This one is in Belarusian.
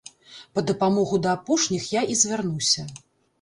Па дапамогу да апошніх я і звярнуся.